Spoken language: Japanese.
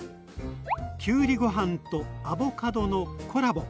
きゅうりご飯とアボカドのコラボ。